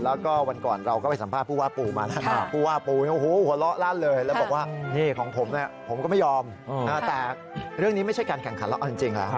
และก็วันก่อนเราก็ไปสัมภาษณ์ผู้ว่าปู่มาแล้วนะครับ